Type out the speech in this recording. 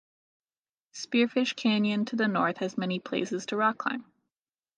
Spearfish Canyon to the north has many places to rock climb.